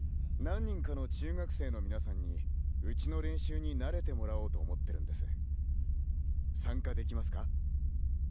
何人かの中学生の皆さんにうちの練習に慣れてもらおうと思ってるんです。